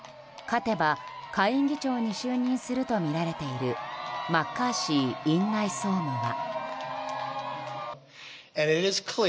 勝てば、下院議長に就任するとみられているマッカーシー院内総務は。